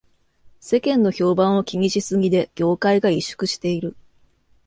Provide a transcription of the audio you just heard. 世間の評判を気にしすぎで業界が萎縮している